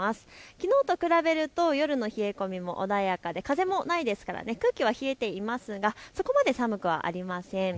きのうと比べると夜の冷え込みも穏やかで風もないですから空気も冷えていますがそこまで寒くはありません。